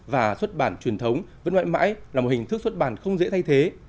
và xuất bản truyền thống vẫn mãi mãi là một hình thức xuất bản không dễ thay thế